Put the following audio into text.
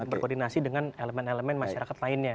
untuk berkoordinasi dengan elemen elemen masyarakat lainnya